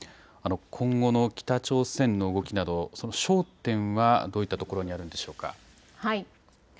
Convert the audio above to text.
今後の北朝鮮の動きなど焦点はどういったところにあるのでしょうか。